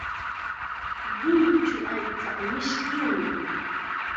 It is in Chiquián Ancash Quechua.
Lluychu aychata mishkinmi.